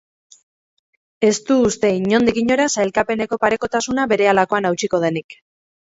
Ez du uste, inondik inora, sailkapeneko parekotasuna berehalakoan hautsiko denik.